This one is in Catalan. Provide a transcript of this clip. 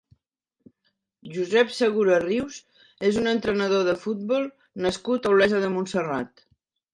Josep Segura Rius és un entrenador de futbol nascut a Olesa de Montserrat.